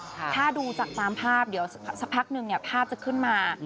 ถ้าดูจากตามภาพเดี๋ยวสักพักหนึ่งเนี่ยภาพจะขึ้นมา